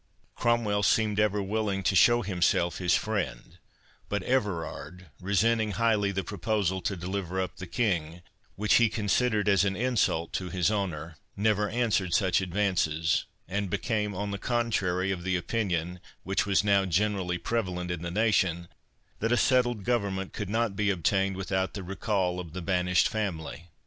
Cromwell seemed ever willing to show himself his friend; but Everard, resenting highly the proposal to deliver up the King, which he considered as an insult to his honour, never answered such advances, and became, on the contrary, of the opinion, which was now generally prevalent in the nation, that a settled government could not be obtained without the recall of the banished family.